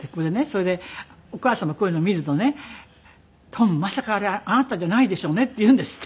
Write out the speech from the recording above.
それでお母様こういうのを見るとね「トムまさかあれあなたじゃないでしょうね？」って言うんですって。